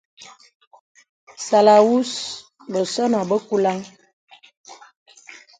Sàlàwūs bəsɔ̄nɔ̄ bə kùlāŋ.